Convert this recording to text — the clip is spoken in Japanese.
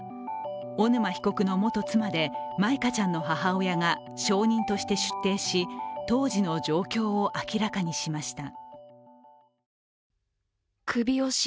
小沼被告の元妻で舞香ちゃんの母親が証人として出廷し、当時の状況を明らかにしました。